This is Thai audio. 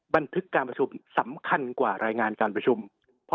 บันทึกการประชุมสำคัญกว่ารายงานการประชุม